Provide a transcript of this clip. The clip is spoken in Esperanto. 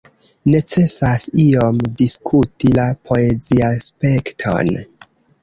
Necesas iom diskuti la poeziaspekton.